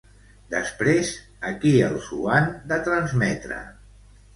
Després, a qui els ho han de transmetre?